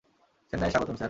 চেন্নাইয়ে স্বাগতম, স্যার।